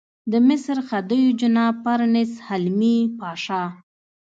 د مصر خدیو جناب پرنس حلمي پاشا.